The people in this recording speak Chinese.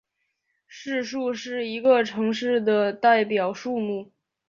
市树是一个城市的代表树木。